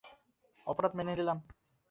অপরাধ মেনে নিলে।